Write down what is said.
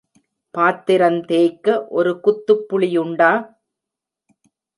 பாத்திரந் தேய்க்க ஒரு குத்துப் புளியுண்டா?